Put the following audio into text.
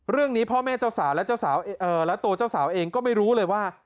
เรื่องนี้พ่อแม่เจ้าสาวและตัวเจ้าสาวเองก็ไม่รู้เลยว่า